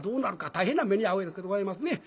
大変な目に遭うわけでございますね。